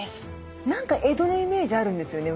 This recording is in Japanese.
何か江戸のイメージあるんですよね